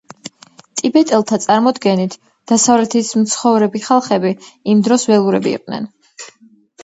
ტიბეტელთა წარმოდგენით დასავლეთის მცხოვრები ხალხები იმ დროს ველურები იყვნენ.